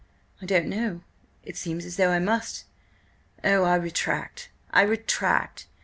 "I don't know. It seems as though I must–oh, I retract, I retract.